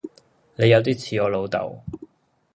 你有啲似我老豆